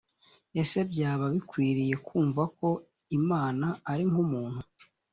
ese byaba bikwiriye kumva ko imana ari nkumuntu?